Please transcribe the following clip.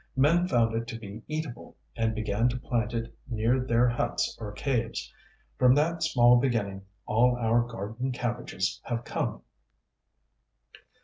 Men found it to be eatable, and began to plant it near their huts or caves. From that small beginning all our garden cabbages have come.